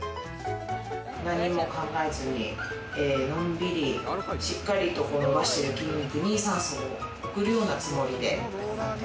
何も考えずにのんびり、しっかりと伸ばしている筋肉に酸素を送るようなつもりで。